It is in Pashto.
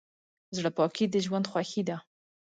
زړه پاکي د ژوند خوښي ده.